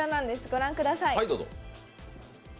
ご覧ください。